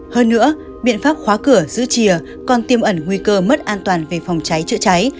hơn nữa biện pháp khóa cửa giữ chìa còn tiêm ẩn nguy cơ mất an toàn về phòng cháy chữa cháy